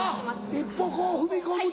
あっ一歩こう踏み込むと。